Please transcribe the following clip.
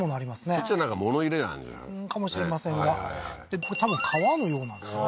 そっちはなんか物入れなんじゃないの？かもしれませんがこれ多分川のようなんですね